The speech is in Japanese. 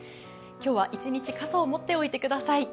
今日は一日、傘を持っておいてください。